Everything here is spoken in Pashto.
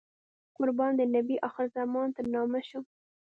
قربان د نبي اخر الزمان تر نامه شم.